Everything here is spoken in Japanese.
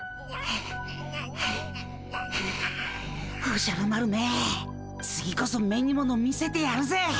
おじゃる丸め次こそ目にもの見せてやるぜ！